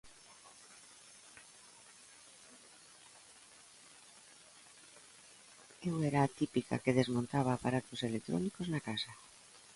Eu era a típica que desmontaba aparatos electrónicos na casa.